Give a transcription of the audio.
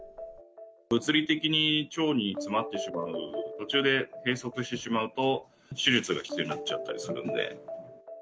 物理的に腸に詰まってしまう、途中で閉塞してしまうと、手術が必要になっちゃったりするんで。